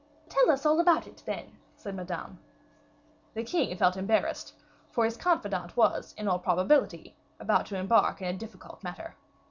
"Tell us all about them, then," said Madame. The king felt embarrassed, for his confidant was, in all probability, about to embark in a difficult matter.